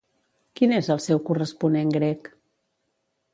Quin és el seu corresponent grec?